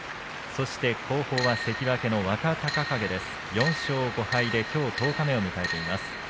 そして後方、関脇の若隆景４勝５敗できょう十日目を迎えます。